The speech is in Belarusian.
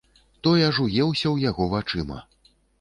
Той аж уеўся ў яго вачыма.